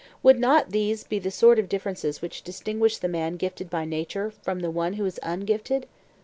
—would not these be the sort of differences which distinguish the man gifted by nature from the one who is ungifted?